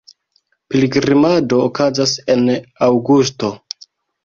Pilgrimado okazas en aŭgusto.